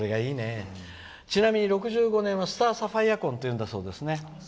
ちなみに６５年はスターサファイア婚って言うそうですね。